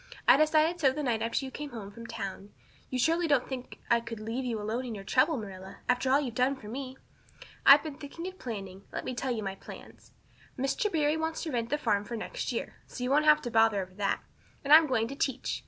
I decided so the night after you came home from town. You surely don't think I could leave you alone in your trouble, Marilla, after all you've done for me. I've been thinking and planning. Let me tell you my plans. Mr. Barry wants to rent the farm for next year. So you won't have any bother over that. And I'm going to teach.